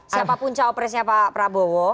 siapa punca operasinya pak prabowo